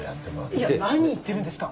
いや何言ってるんですか。